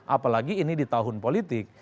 apalagi ini di tahun politik